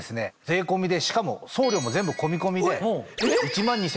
税込みでしかも送料も全部込み込みで。